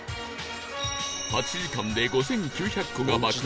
８時間で５９００個が爆売れし